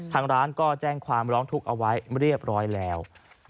ทางร้านก็แจ้งความร้องทุกข์เอาไว้เรียบร้อยแล้ว